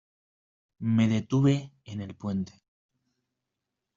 Me detuve en el puente.